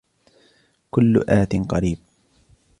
كل آت قريب